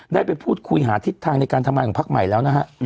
ได้ไปพูดคุยหาทิศทางในการทำงานของพักใหม่แล้วนะฮะ